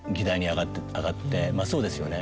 まぁそうですよね。